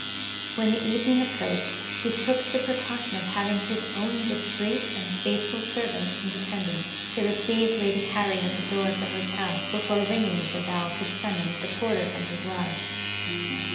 When the evening approached, he took the precaution of having his own discreet and faithful servant in attendance, to receive Lady Harry at the door of the hotel, before the ringing of the bell could summon the porter from his lodge.